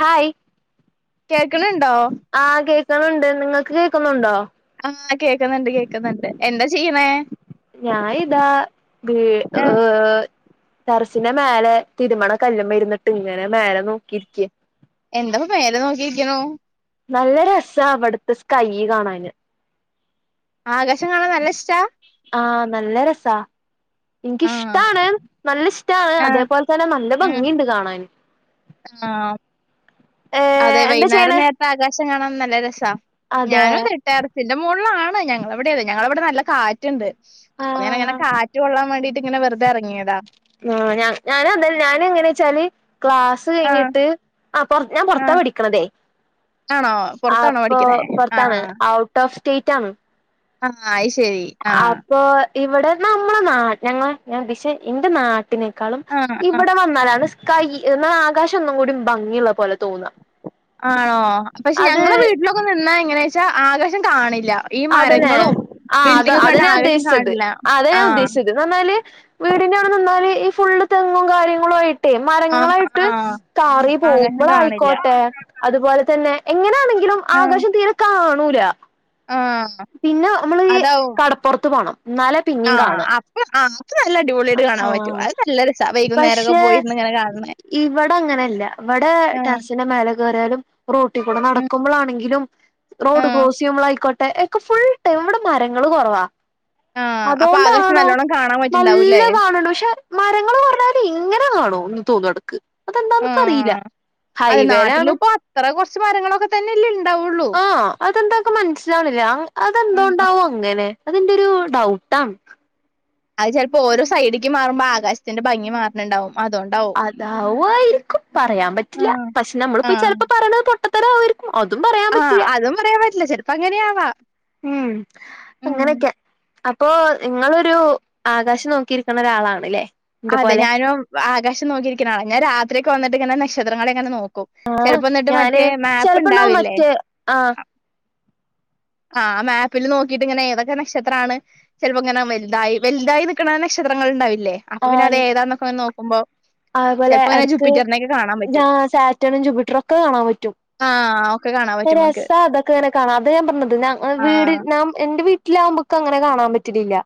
Hi. കേൾക്ണണ്ടോ. ആ കേക്കുന്നുണ്ട്. നിങ്ങൾക്ക് കേക്കുന്നുണ്ടോ. ആ കേക്കുന്നുണ്ട് കേൾക്കുന്നുണ്ട്. എന്താ ചെയ്യന്നേ. ഞാൻ ഇതാ ബി ആഹ് ഏ. ടറസിന്റെ മേലെ തിരുമണ കല്ല്മ്മ ഇരുന്നിട്ട് ഇങ്ങനെ മേലെ നോക്കിയിരിക്ക. എന്താപ്പ മേല നോക്കിയിരിക്കുണു. നല്ല രസാ ഇവിടുത്തെ സ്കൈ കാണാന്. ആകാശം കാണാൻ നല്ല ഇഷ്ട്ടാ. ആ നല്ല രസാ. ആഹ് എനക്കിഷ്ടാണ് നല്ല ഇഷ്ടമാണ് ആഹ് അതേപോലെ തന്നെ നല്ല ഉം ഭംഗിണ്ട് കാണാൻ ആഹ് അതെ ഏഹ് എന്താ വെയ്ന്നേരം ചെയ്യണേ നേരത്തെ ആകാശം കാണാൻ നല്ല രസാ, അതെ ഞാനും [unintelligible] ടെറസിന്റെ മോളിലാണ് ഞങ്ങളവിടെത് ഞങ്ങളവിടെ നല്ല കാറ്റ്ണ്ട്. അപ്പൊ ഇങ്ങനെ ഇങ്ങനെ ആഹ് കാറ്റ് കൊള്ളാൻ വേണ്ടിയിട്ട് ങ്ങനെ വെറുതെ എറങ്ങിയതാ. ആഹ്, ഞ ഞാന അത ഞാനൻ എങ്ങനെച്ചാല് ആഹ് ക്ലാസയ്ഞ്ഞിട്ട് അഹ്, പൊർ ഞാൻ പൊറത്താ ആഹ് പടിക്കണതെ, ആണോ ആ പുറത്താണോ പ്പൊ പഠിക്കണേ പൊറത്താണ്. ആഹ് അ ഔട്ട് ഓഫ് സ്റ്റേറ്റ് ആണ്. ആഹ് അയി ശരി അപ്പൊ ഇവിടെ നമ്മളെ നാ ഞങ്ങളെ ഞാൻ ഉദ്ദേശിച്ചെ എന്റെ നാ ട്ടിനേക്കാളും ആഹ് ആ ഇവിടെ വന്നാലാണ് സ്കൈയ് എന്നാ ആകാശം ഒന്നും കൂടി ഭംഗിയുള്ള പോലെ തോന്ന. ആണോ. പക്ഷെ ഞങ്ങളെ വീട്ടിലൊക്കെ നിന്നാ എങ്ങനെയാച്ചാ ആകാശം കാണില്ല. ഈ അതന്നെ മരങ്ങളും ആ അത് ബിൽഡിംഗും അത കണ്ടാ ഞാൻ ആകാശം ഉദ്ദേശിച്ചത് കാണില്ല. അത ഞാൻ ആഹ്. ഉദ്ദേശിച്ചത് ടെന്നാല് വീടിന്റെ അവിടെ നിന്നാല് ഈ ഫുള്ള് തെങ്ങും കാര്യങ്ങളും ആയി്. ട്ടെ ആഹ് മരങ്ങളായിട്ട് ആഹ്. കാറി ആകാശം കാണില്ല. പോകുമ്പളായിക്കോട്ടെ അത് പോലെ തന്നെ എങ്ങനെയാണെങ്കിലും ആഹ് ആകാശം തീരെ കാണൂല്ല. ആഹ് പിന്നെ നമ്മള് ഈ അതാവും. കടപ്പൊർത്ത് പോണം. ന്നാലെ പിന്നിം ആഹ് കാണ അപ്പൊ ആഹ് അത് നല്ല അ അടിപൊളിയായിട്ട് കാണാൻ പറ്റും. ആഹ് അത് നല്ല രസാ വൈകുന്നേരൊക്കെ പക്ഷെ പോയിരുന്ന് ഇങ്ങനെ കാണണേ. ഇവിടെ അങ്ങനെല്ല. ഇവിടെ ആഹ് ടെറസിന്റെ മേലെ കേറിയാലും റോട്ടി കൂടെ ഉം നടക്കുമ്പളാണെങ്കിലും റോഡ് ആഹ് ക്രോസ് ചെയ്യുമ്പോള അയ്ക്കോട്ടെ. അയ് ക്ക ഫുൾ ടൈം ഇവിടെ മരങ്ങള് കൊറവാ ആഹ്. അപ്പൊ ആകാശം അതൊണ്ടാണോ നല്ലോണം കാണാൻ നല്ല പറ്റ്ണ്ടാവൂല്ലേ? കാണണ്. ക്ഷെ മരങ്ങള് പറഞ്ഞാല് ഇങ്ങനെ കാണോ ഒന്ന് തോന്നു എടക്ക് ആഹ് അത് ഹൈവേയിലാണ് നാട്ടിലുപ്പൊ അത്ര കുറച്ച് മരങ്ങളൊക്കെ തന്നെല്ലണ്ടാവുള്ളു. ആഹ്, അതെന്തൊക്കെ മനസ്സിലാവണില്ല. ആഹ് അതെന്തോണ്ടാവും അങ്ങനെ അതിന്റെരു ഡൗട്ടാണ്. അത് ചെലപ്പോ ഓരോ സൈഡിക്ക് മാറുമ്പോ ആകാശത്തിന്റെ ഭംഗി മാറ്‌ണ്‌ണ്ടാവും അതൊണ്ട് അതാവു ആയിരിക്കും പറയാൻ പറ്റില്ല. ആഹ് പക്ഷെ നമ്മള്പ്പൊ ഈ ആഹ് ചെലപ്പോ പറയണത് പൊ അതും പറയാ ആഹ് അതും പറയാൻ പറ്റില്ല ചെലപ്പോ അങ്ങനെയാവാ ഉം അങ്ങനെയൊക്കെ. അപ്പൊ നിങ്ങളൊരു ആകാശം നോക്കിരിക്കണ ഒരാളാണ്ല്ലേ. എന്റെ അതെ പോലെ ഞാനും ആകാശം നോക്കിയിരിക്കണ ആള. ഞാൻ രാത്രിയക്കെ വന്നിട്ട് ഇങ്ങന നക്ഷത്രങ്ങളെ ഒക്കെഇങ്ങനെ നോക്കും. ചെലപ്പന്നിട്ട് ഞാന് മറ്റേ ചെലപ്പോണ്ടാവും മാപ്പ്ണ്ടാവില്ലേ മറ്റേ ആഹ് അ ആഹ് ആ മാപ്പില് നോക്കിയിട്ട് ഇങ്ങനെ ഏതൊക്കെ നക്ഷത്രാണ്. ചെലപ്പോങ്ങനെ മൽതായി വൽതായി നിക്കണ നക്ഷത്രങ്ങൾണ്ടാവില്ലേ അപ്പൊ പിന്നെ അത് ഏതാന്നൊക്കെങ്ങനെ നോക്കുമ്പോ ആതുപോലെ ചെലപ്പോ ഇങ്ങനെ എടക്ക് ജൂപ്പിറ്ററിനെയൊക്കെ കാണാൻ ജാ പറ്റും സാറ്റണും ജൂപ്പിറ്ററും ഒക്കെ കാണാൻ പറ്റും. ആഹ് ഒക്കെ കാണാ രസ അതൊക്കെങ്ങനെ കാണാം. അത് ഞാൻ പറഞ്ഞത് ഞ ങ്ങൾ വീട് ആഹ് ഞാൻ എന്റെ വീട്. ട്ടിലാകുമ്പ ക്ക് അങ്ങനെ കാണാൻ പറ്റലില്ല.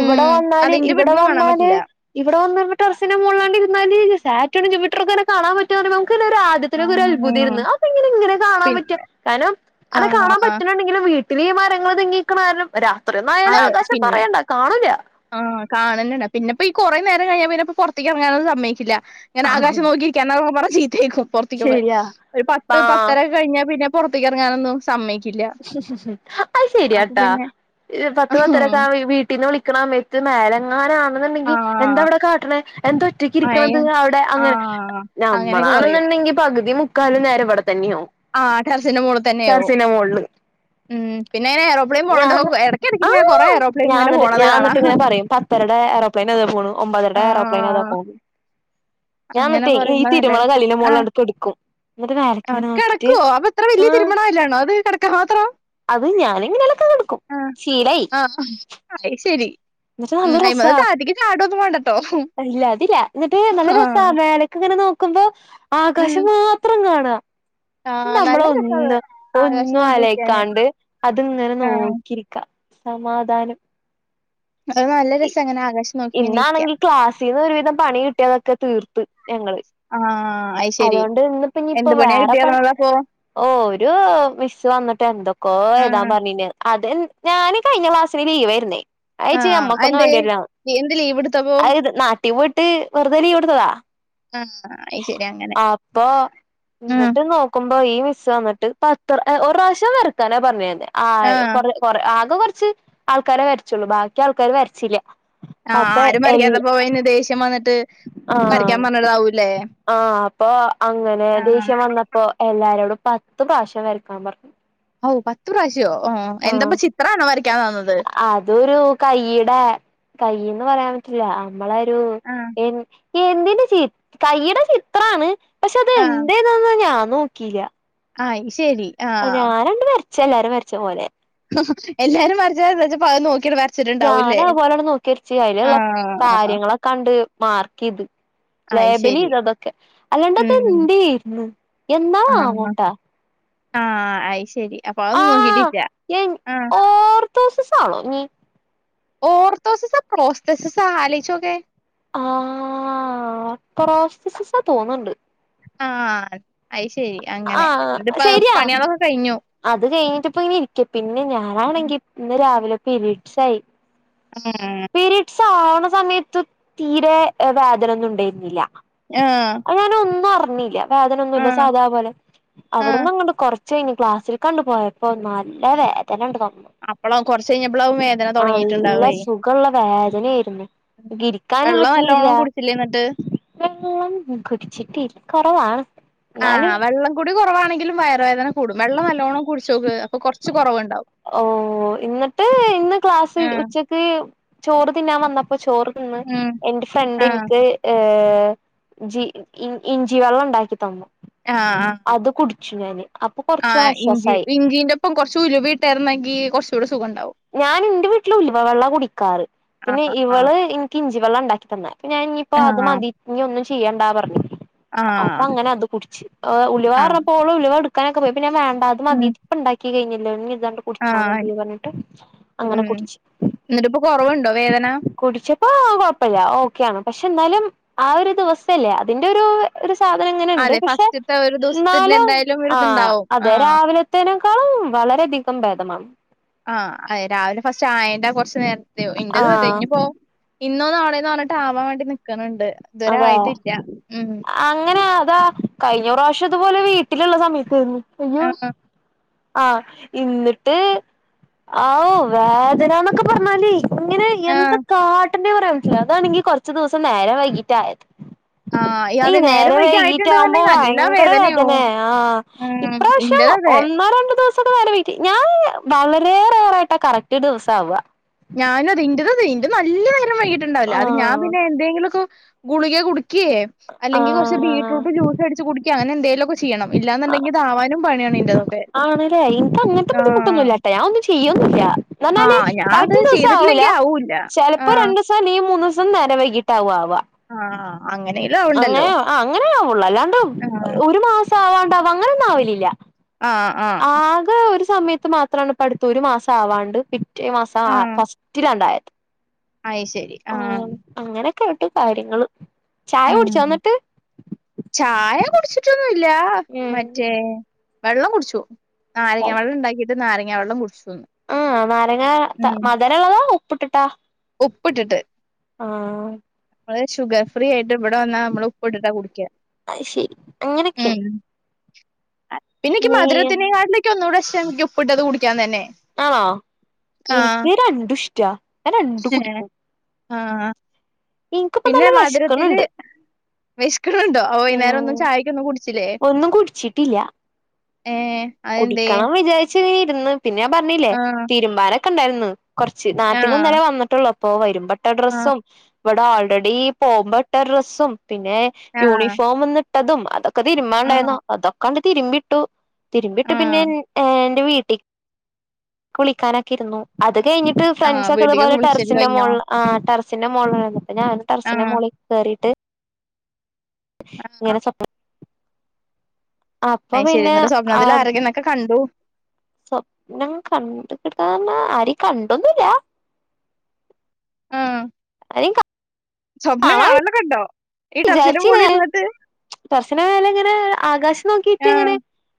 ഇവിടെ വന്നാല് അതെന്റെ ഇവിടെ വീട്ടിന്ന് കാണാൻ വന്നാല് പറ്റില്ല ഇവിടെ വന്നങ്ങ് ടെറസിന്റെ മോളിലാണ്ട് ഇര്ന്നാല് സാറ്റണും ജൂപ്പിറ്ററും ഒക്കെ ഇങ്ങനെ കാണാൻ പറ്റ പറിമ്പം നമ്മക്കന്നൊരു ആ [unintelligible] ഒരു അത്ഭു ആഹ് തേര്ന്നു. അപ്പൊ എങ്ങനെ ഇങ്ങനെ കാണാൻ പറ്റ, പിന്നെ കാരണം അങ്ങനെ കാണാൻ ആഹ് പറ്റ്ണ ഇ ങ്ങനെ വീട്ടിലീ മരങ്ങള് തിങ്ങിക്കണ കാരണം രാത്രി ഒന്നും ആയാല് അത് ആകാശം പിന്നെ പറയേണ്ട. കാണൂല്ല. ആഹ് കാണന്നല്ല, പിന്നപ്പ ഈ കൊറേ നേരം കഴിഞ്ഞാ പിന്നെപ്പം പൊറത്തേക്ക്റങ്ങാനന്നും സമ്മയ്ച്ചില്ല. ഇങ്ങനെ ആകാശം നോക്കി. [unintelligible] പറ ചീത്തേക്കും പൊറത്തേക്ക് പോവാൻ, ശരിയാ ഒരു പത്ത് ആഹ് പത്തരക്കെ കഴിഞ്ഞാ പിന്നെ പൊറത്തേക്ക് ഇറങ്ങാനൊന്നു. സമ്മയ്ക്കില്ല. അത് ശെരിയാട്ടാ. ഈ പത്ത് പത്തരക്കെ ആകുമ്പ ഈ വീ. ട്ടീന്ന് വിളിക്ക്ണ സമയത്ത് മേലങ്ങാനാണെന്നുണ്ടെങ്കി എന്താ ആഹ് അവിടെ കാട്ടണേ? എന്തു റ്റക് അയ ഇരിക്കണത് അവിടെ അങ്ങനെ, ആഹ് അങ്ങനെയൊക്കെ പറയും നമ്മളാണെന്നുണ്ടെങ്കിൽ പകുതി മുക്കാലും നേരം ഇവിടെ തന്നെയാവും. ആഹ് ടെറസിന്റെ മോള് തന്നെ ആവും. ടെറസിന്റെ മോളില് ഉം പിന്നെ [unintelligible] ഞാൻ എടക്കെടക്ക് ഇങ്ങനെ കൊറേ ആഹ് ഏറോപ്ലെയിൻ ഇങ്ങനെ ഞാന്ന്ട്ട് പോണത് ഞാൻന്ന്ട്ട് കാണാം ഇങ്ങനെ പറയും. പത്തരെടെ എറോ പ്ലൈനതാ പോണു, ഒമ്പതെരെടെ ഏറോപ്ലെയിനതാ ആഹ് പോണു ഞാൻ അങ്ങനെ എന്നിട്ടേ പറയുമ്പോ നല്ലരസാ ആ ന്നട്ട് കയറി കെടക്കുവോ അപ്പൊ ഇത്ര വലിയ തിരുബ്ണ കല്ലാണോ അത് കെടക്കാൻ മാത്രം അത് ഞാനെങ്ങെനേലൊക്കെകെടക്കും ആഹ് ശീലായി ആഹ് അയ് ഇന്നട്ട് നല്ല രസാ ളാടോന്നും വാണ്ടട്ടോ ഇല്ല അതില്ല ഇന്നട്ട് നല്ല രെസാ മേലക്ക്ങ്ങനെ നോക്കുമ്പോ ഉം ആകാശം മാത്രം കാണാം ആഹ് നല്ല രസാത് നമ്മളൊന്ന് ആകാശം ഒന്നും നോക്കി ഇരിക്കാന് ആലോയ്ക്കാണ്ട് അത്ങ്ങനെ ആഹ് നോക്കിരിക്കാ സമാധാനം അത് നല്ല രസാങ്ങനെ ആകാശ ഇന്നാണെങ്കി ക്ലാസ്സീന്ന് ഒരുവിധം പണി കിട്ടിയതൊക്കെ തീർത്ത് ഞങ്ങള് ആ അയി അതൊണ്ട് ഇന്ന്പ്പ ഇഞ്പ്പൊ വേറെ പണി ഓ ഒരു മിസ്സ് വന്നിട്ട് എന്തൊക്കോ ഏയ്താൻ ആഹ് പറഞ്ഞിനെ അതേൻ ഞാന് കഴിഞ്ഞ ക്ലാസ്സിന് ലീവെയിരുന്നേ ഞായ്ച്ചി ആഹ് അമ്മക്കൊന്നും അതെന്തേ വാണ്ടിര്ലാന്ന് എന്ത് ലീവ് എടുത്തപ്പോ അത് നാട്ടി പോയിട്ട് വെറുതെലീവ്ട്ത്തതാ ആഹ് അയ് ശരി അങ്ങനെ അപ്പൊ ഉം ഇന്നട്ട് നോക്ക നോക്കുമ്പോ ഈ മിസ് വന്ന്ട്ട് പത്ത് ഒരുറാവിശ്യം വരക്കാന പറഞ്ഞെന്നെ ആ ആഹ് കൊറേ കൊറേ ആകെ കൊറച്ച് ആൾക്കാരെ വരച്ചോള്ളൂ ബാക്കി ആൾക്കാര് വരച്ചില്ല ആ അപ്പൊ ആരും വരക്കാത്തപ്പോ അയിന്ന് ദേഷ്യം വന്ന്ട്ട് ആ ആ അപ്പൊ അങ്ങനെ ആഹ് ദേഷ്യം വന്ന പ്പൊ എല്ലാരോടും പത്ത് പ്രാവശ്യം വരക്കാൻ പറഞ്ഞു ഔ പത്ത് പ്രാവശ്യോ ആ എന്തപ്പോ ചിത്രാണോ വരയ്ക്കാൻ തന്നത് അതൊരു കയ്യിടെ കയ്യ്ന്ന് പറയാൻ പറ്റില്ല അമ്മളൊരു ആഹ് എൻ എന്തിന്റെ ചി കയ്യ്ടെ ചിത്രാണ് പക്ഷെ അത് എന്തേയ്ന്നൊന്നും ഞാൻ നോക്കീല്ല അയ്ശെരി ആ ഞാനണ്ട് വര്ച്ച് എല്ലാരും വര്ച്ച പോലെ എല്ലാരും വരച്ചണ്ട് ഇജ്ജ് പ്പോ അത് നോക്ക്യാണ്ട് ഞാന് വരച്ചിട്ടുണ്ടാവൂല്ലേ അതുപോലെണ്ട് നോക്കി വരച്ച് ആ അതിലുള്ള കാര്യങ്ങളൊക്കെ കണ്ട് മാർക്കെയ്ത് അയ് ശരി ലേബലിയ്തു അതൊക്കെ അല്ലാണ്ട് അത് എന്തേര്ന്നു ആ ആ ആയ്ശെരി ആ എൻ ഓർതോസസാണോ നി ഓർത്തോസസാ പ്രോസസ്റ്റ്സാ ആലോയ്ച്ചോക്കെ ആ പ്രോസ്‌സ്റ്റസാ തോന്ന്ണ്ട് ആ അയ്ശെരി അങ്ങനെ ആഹ് ഇന്നട്ട് പ്പോ ശരിയാ പണീയാളൊക്കെ കഴിഞ്ഞു അത് കഴിഞ്ഞിട്ടിപ്പോ ഇങ്ങനെ ഇരിക്ക പിന്നെ ഉം ഞാനാണെങ്കി ഇന്ന് രാവിലെ പീരിഡ്സായി ഉം പീരീഡ്സ് ആവണ സമയത്ത് തീരെ വേദനൊന്നും ഉണ്ടെയ്ന്നില ആ അപ്പൊ ഞാനോന്നും അറിഞ്ഞീല്ലാ വേദന ഒന്നും ഇല്ല സാധാ പോലെ ആഹ് അവട്ന്ന് ഇങ്ങണ്ട് കൊറ ച്ചെയ്ഞ് ക്ലാസ്സിൽക്കണ്ടു പോയപ്പോ നല്ല വേദനണ്ട് വന്നു അപ്പള കൊർച്ചെഴിഞ്ഞപ്പളാവും വേദന നല്ല തൊടങ്ങീറ്റ്ണ്ടാവേ സുഖള്ള വേദനയേരുന്നു ഇക്ക് ഇരിക്കാനും വെള്ളം പറ്റിണില്ല നല്ലോണം കുടിച്ചില്ലേ എന്നിട്ട് വെള്ളം കുടിച്ചിട്ട് കൊറവാണ് ആ എന്നാലും വെള്ളം കുടി കൊറവാണെങ്കിലും വയറുവേദന കൂടും വെള്ളം നല്ലോണ്ണം കുടിച്ചോക്ക് അപ്പൊ കൊർച്ച് കൊറവ്ണ്ടാവും ഓ ഇന്നട്ട് ഇന്ന് ക്ലാസ് ആഹ് ഉച്ചക്ക് ചോറ് തിന്നാൻ വന്നപ്പോ ചോറ് തിന്ന് ഉം എന്റെ ഫ്രണ്ട് ആഹ് ഇൻക്ക് ഏഹ് ജി ഇഞ്ചി വെള്ളം ഇണ്ടാക്കി തന്നു ആഹ് ആ അത് കുടിച്ചു ഞാന് അപ്പൊ കൊറച്ച് ആഹ് ഇഞ്ചി ആശ്വാസായി ഇഞ്ചിന്റെ ഒപ്പം കൊറച്ച് ഉലുവ ഇടയിരുന്നെങ്കിൽ കുറച്ച കൂടെ സുഖംണ്ടാവും ഞാൻ എന്റെ വീട്ടിൽ ഉലുവ വെള്ളാ കുടിക്കാറ് പിന്നെ ആഹ് ആഹ് ഇവള് എനിക്ക് ഇഞ്ചി വെള്ളാ ഇണ്ടാക്കി തന്നെ അപ്പൊ ഞാൻ ഇനിയിപ്പോ അത് മതി ഇനി ഒന്നും ചെയ്യണ്ടാ പറഞ്ഞഞ് ആഹ് അപ്പൊ ആഹ് അങ്ങനെ അത് കുടിച്ച് ഉലുവ ആഹ് പറഞ്ഞപ്പോൾ ഉലുവ എട് ക്കാനൊക്കെ പോയി പിന്നെ വേണ്ട ഇത് മതി ഉം ഇപ്പ ഉണ്ടാക്കി കഴിഞ്ഞല്ലോ ഇനി ഇതാണ്ട് കുടിച്ചൽ ആഹ് മതി പറഞ്ഞ് ഉം എന്നിട്ട് പ്പൊ കൊറവുണ്ടോ വേദന കുടിച്ചപ്പോ കുഴപ്പല്ല ഓക്കെയണ് പക്ഷെ എന്നാലും ആ ഒരു ദിവസല്ലേ അതിന്റെ ഒരു ഒരു സാധനം ഇങ്ങനെണ്ട് അതെ പക്ഷെ ഫസ്റ്റ്ത്തെ ഒരു ദിവസത്തിന്റെ എന്നാലും എന്തായാലും ആ ഒരിതുണ്ടാവും അതെ ആഹ് രാവിലെ തേനെക്കാളും വളരെയധികം ഭേദമാണ് ആഹ് രാവിലെ ഫസ്റ്റ് ചായത്തെ കൊറച്ച് നേരത്തേ ഇന്റെ ത് ആഹ് കഴിഞ്ഞ് പോ ഇന്നോ നാളെന്ന് പറഞ്ഞിട്ട് ആവാൻ വേണ്ടി നിക്ക്ണ് ണ്ട് ഇതുവരെ അതെ ആയിട്ടില്ല ഉം അങ്ങനെ അതാ കഴിഞ്ഞ പ്രാവശ്യം അപോലെ വീട്ടിലുള്ള സമയത്തേന്നു അയ്യോ ആഹ് ആഹ് ഇന്നിട്ട് ഔ വേദനന്നൊക്കെ പറഞ്ഞാലേ ഇങ്ങനെ എന്താ ആഹ് കാട്ടണ്ടേ പറയാൻ പറ്റുല്ലാ അതാണെങ്കി കൊറച്ചു ദിവസം നേരം വൈകീട്ട ആയത് ആഹ് ഈ അതെ നേരം നേരെ വൈകി വൈകീറ്റാകുമ്പോ ആയിട്ടുണ്ട്ന്നുണ്ടെങ്കി നല്ല ഭയങ്കര വേദനയാവും വേദന ആ ഉം ഇപ്രാവശ്യം ഇന്റത് ഒ ന്നോ രണ്ടോ ദിവസക്കെ നേരം വഴിഗി ഞാൻ വളരെ റേറായിട്ട് കറക്റ്റ് ദിവസം ആവ ഞാനും അതേ ഇന്റെതും അതേ ഇന്റെത് നല്ലോം നേരം വൈകിട്ട്ണ്ടാവില്ല അത് ഞാൻ ആഹ് പിന്നെ എന്തെങ്കിലുലോക്കെ ഗുളിക കുടിക്കെ അല്ലെങ്കി കുച്ച് ആഹ് ബീറ്റ്റൂട്ട് ജൂസ് അടച്ച് കുടിക്കെ അങ്ങനെ എന്തേല്ലൊക്കെ ചെയ്യണം ഇല്ലാന്ന് ണ്ടങ്കി ഇതാവാനും പണിയാണ് ഇന്റെതൊക്കെ ആൺല്ലേ എനിക്ക് അങ്ങനത്തെ ബുദ്ധിമുട്ടൊന്നുംല്ലാട്ടാ ഞാൻ ഒന്നും ചെയ്യന്നുല്ല എന്നാല് ആഹ് ഞാൻ കറക് അത് റ്റ് ദിവസം ആവൂല ചെയ്തിട്ടില്ലെങ്കി ആവൂല്ല ചിലപ്പോ ആഹ് രണ്ടു ദിവസം ലെങ്കി മൂന്ന് ദിവസം നേര വൈകിട്ട ആവാ ആവാ ആഹ് അങ്ങനെലും അങ്ങനെ ആവണ്ടല്ലോ ആ അങ്ങനെ ആവുള്ളൂ അല്ലാണ്ട് ആഹ് ഒരു മാസം ആവാണ്ടാവ അങ്ങനെ ഒന്നും ആവലില്ല ആഹ് ആഹ് ആകെ ഒരു സമയത്ത് മാ ത്രം പടുത്ത് ഒരു മാസം ആവാണ്ട് പിറ്റേ മാസം ആ ഫസ്റ്റിലാണ്ടായത് ആത് ശരി ഉം അങ്ങനൊക്കൊയിട്ട് കാര്യങ്ങള് ചായ ഉം കുടിച്ചോ എന്നിട്ട് ചായ കുടിച്ചിട്ടൊന്നുംല്ല മറ്റേ വെള്ളം കുടിച്ചു നാരങ്ങ ഉം വെള്ളം ഉണ്ടാക്കിട്ട് നാരങ്ങ വെള്ളം കുടിച്ചുന്ന് ആഹ് നാരങ്ങ മധരുള്ളതാ ഉപ്പ്ട്ട്ട്ടാ ഉപ്പ്ട്ട്ട്ട് നമ്മള് ഷഗുർ ഫ്രീ ആയിട്ട് ഇവിടെ വന്നാൽ നമ്മള് ഉപ്പ്ട്ട്ട്ടാ കുടിക്ക ശരി അങ്ങനെയൊക്കെണ് അത് പിന്നെക്ക് മധുരത്തിനെ കാട്ടിലും ഒന്നുകൂടി എനിക്ക് ഉപ്പ്ട്ടത് കുടിക്കാൻ തന്നെ ആഹ് ആഹ് എനിക്ക് രണ്ടും ഇഷ്ടാ ഞാൻ രണ്ടും ഏഹ് കുട്ടിക്കും ആഹ് പിന്നെ നല്ല മധുരത്തില്ൽ വിശക്കണുണ്ട് വെശക്ക്ണ് ണ്ടോ ഓ ഉം വൈകുന്നരം ചായക്കൊന്നും കുടിച്ചില്ലേ ഒന്നും കുടിച്ചിട്ടില്ല ഏഹ് അതെന്തേ കുടിക്കണം വിചാരിച്ച് ഇരുന്നു പിന്നെ പറഞ്ഞില്ലേ ആഹ് തിരുമ്പാനൊക്കെ ഉണ്ടായിന്ന് കൊറച്ച് നാട്ടീന്ന് ആഹ് ഇന്നലെ വന്നിട്ടുള്ളൂ അപ്പൊ വരുമ്പട്ട ആഹ് ഡ്രസ്സും ഇവടെ ഓൾറെഡി പോകുമ്പട്ട ഡ്രസ്സും പിന്നെ ആഹ് യൂണിഫോം ഇന്ന്ട്ടതും അതൊ ക്കെ തിരുമ്പണ്ടായിനു ആഹ് അതൊക്കാണ്ട് തിരുമ്പിട്ടു തിരുമ്പിട്ടു പിന്നെ ആഹ് എന്റെ വീട്ടിക്ക് വിളിക്കാനൊക്കെ ഇരുന്നു അത് കഴിഞ്ഞിട്ട് ആഹ് ഫ്രണ്ട്സ ഒക്കെ ഇതുപോലെ വീട്ടിക്കൊക്കെ വിളിച്ചല് ടെറസിന്റെ കഴിഞ്ഞോ മൊളില് ആഹ് ടറസിന്റെ മൊളിലാന്നു പിന്നെ ഞാൻ ടറസിന്റെ ആഹ് മോളില് കേയറിയിട്ട് ഇങ്ങനെ സ്വപ്നം അപ്പൊ ഐ പിന്നെ ശരിന്ന്ട്ട് ആ സ്വപ്നതിൽ ആരെ ന്നൊക്കെ കണ്ടു സ്വപ്നം കണ്ട് കിട്ടന്ന ആരിം കണ്ടൊന്നുല്ല ആഹ അ- സ്വപ്നം കാണാനൊക്കെണ്ടോ ഈ ടെറസന്റെ മോളിൽ ഇരിട്ട്? കുറച്ചന കാല ഇങ്ങനെ ആകാശം നോക്കിട്ട് ആഹ് ഇങ്ങനെ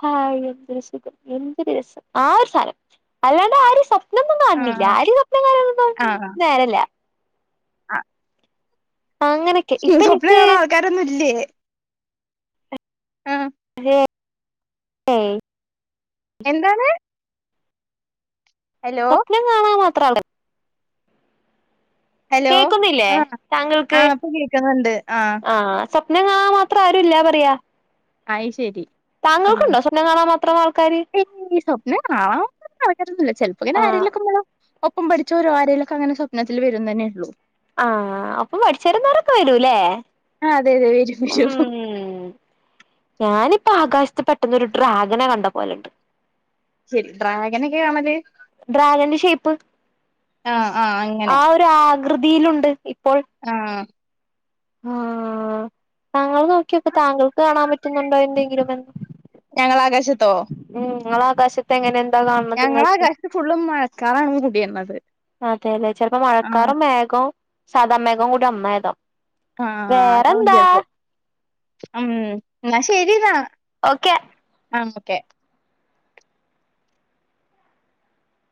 ഹഹ് എന്തൊരു സുഖം എന്തൊരു രസം ആ ഒരു സഥാനം അല്ലാണ്ട് ആരും സപ്പോ ന്നെന്നും കാണ്ന്നില്ല ആഹ് ആര് സ്വ്നം ക നേരല്ല ആഹ ആ അങ്ങനെ സ്വപ്നം കാണോ ആൾക്കാരൊന്നും ഇല്ലേ? ആഹ അതേ ഏ എന്താണ്? ഹലോ സ്വപ്നം കാണാൻ മാത്രല്ല ഹലോ കേൾക്കുന്നില്ലേ ആഹ് താങ്കൾക്ക് ആഹ് ഇപ്പൊ കേക്കുന്നുണ്ട് ആഹ് ആഹ സത്യ എന്നഞങ്ങ ആ മാത്രം ആരുല്ല പറയാ അയ് ശരി ഉം താങ്കൾക്കുണ്ടോ സ്വണ്ണംം കാണാൻ മാത്രം ആൾക്കാര് ഈ സ്വപ്നം ആന്ന ചെപ്പോ ഇങ്ങനെ ആ ആരെക്കോ ഒപ്പം പഠിച്ച ഒരുര ആരേലൊക്കെ അങ്ങനെ സ്പനത്തിൽ വരും തന്നെ ഉള്ളൂ ആഹ അപ്പൊ പഠിച്ചരുന്നറൊക്കെ വരൂല്ലേ? ആ് അതെ അതെ വരും വരും ഉം ഞാനിപ്പോ ആകാശത്ത് പെട്ടെന്ന ഒരു ഡ്രാഗനെ കണ്ട പോലുണ്ട് ശരി ഡ്രാഗനൊക്കെ കാണല്? ഡ്രാഗൻ ഷേപ്പ് ആഹ് ആഹ് ആ അങ്ങനെ ഒരു ആകൃതിയിലുണ്ട് ഇപ്പോൾ ആഹ ആഹ താങ്കൾ നോക്കിയോക്ക താങ്കൾക്ക് കാണാൻ പറ്റുന്നുണ്ടോ എന്തെങ്കിലുംന്ന് ഞങ്ങളൾ ആകാശത്തോ? ഉം നിങ്ങള ആകാശത്തെ എങ്ങനെ എന്താ കാണുന്നത്ങ്ങൾക്ക് ഫുള് മഴക്കറാണ് കൂടി തരണത് അതെ അതെ ചിലപ്പോ മഴക്കാറും മേഘവും സാദാ മേഘവും കൂടി ഒന്നായതോ ആഹ അതാ വ ചരപ്പ ഉം എന്ന ശരിതാ ഓക്കെ ആ ഓക്കെ